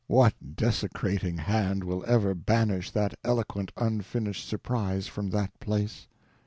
What desecrating hand will ever banish that eloquent unfinished surprise from that place?